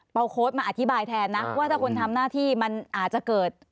เอาโค้ดมาอธิบายแทนนะว่าถ้าคนทำหน้าที่มันอาจจะเกิด